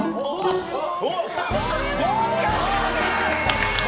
合格！